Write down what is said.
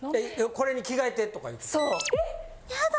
これに着替えてとかいうこと？